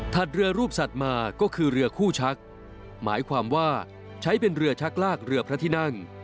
เรือรูปสัตว์มาก็คือเรือคู่ชักหมายความว่าใช้เป็นเรือชักลากเรือพระที่นั่ง